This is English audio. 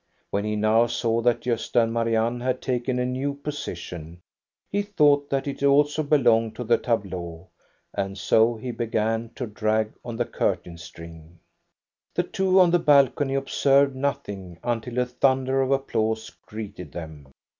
When he now saw that Gosta and Marianne had taken a new position, he thought that it also be 90 THE STORY OF GOSTA BERUNG longed to the tableau, and so he began to drag on the curtain string. The two on the balcony observed nothing until a thunder of applause greeted them.